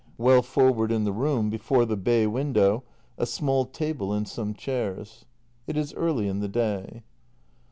Well forward in the room, before the bay window, a small table and some chairs. It is early in the day.